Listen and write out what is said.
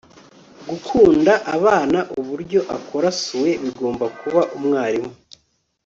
gukunda abana uburyo akora sue bigomba kuba umwarimu